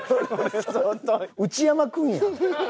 内山君やん。